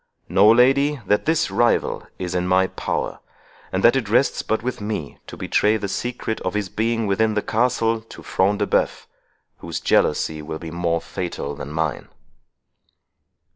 Know, lady, that this rival is in my power, and that it rests but with me to betray the secret of his being within the castle to Front de Bœuf, whose jealousy will be more fatal than mine."